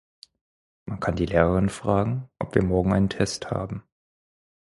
Man kann die Lehrerin fragen, ob wir morgen einen Test haben.